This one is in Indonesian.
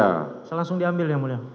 sudah langsung diambil yang mulia